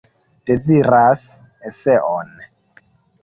Deziras eseon.